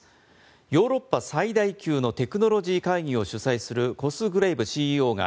ヨーロッパ最大級のテクノロジー会議を主催するコスグレイブＣＥＯが